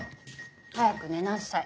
早く寝なさい